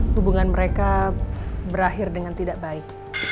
hubungan mereka berakhir dengan tidak baik